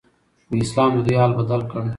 خو اسلام ددوی حال بدل کړ